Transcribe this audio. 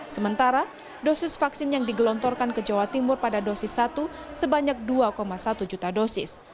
sementara dosis vaksin yang digelontorkan ke jawa timur pada dosis satu sebanyak dua satu juta dosis